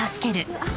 あっ。